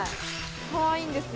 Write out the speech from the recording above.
かわいいんですよ。